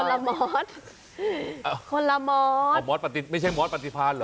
คนละมอดคนละมอดไม่ใช่มอดปฏิพรรณเหรอ